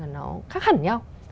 nó khác hẳn nhau